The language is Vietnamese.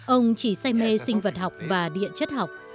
ông chỉ say mê sinh vật học và địa chất học